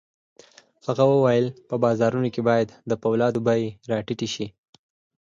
هغه وویل په بازارونو کې باید د پولادو بيې را ټیټې شي